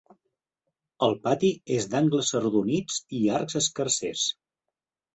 El pati és d'angles arrodonits i arcs escarsers.